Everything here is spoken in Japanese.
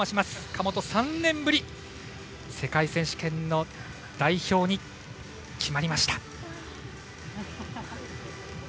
神本、３年ぶりに世界選手権の代表に決まりました。